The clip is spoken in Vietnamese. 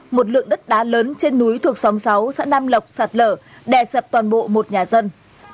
một lượng đất đá lớn trên núi thuộc xóm sáu xã nam lộc sạt lở đè sập toàn bộ một nhà dân